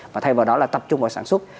và thay vào đó là tập trung vào sản xuất